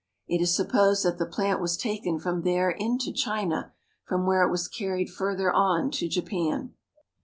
It is supposed that the plant was taken from there into China, from where it was carried farther on to Japan.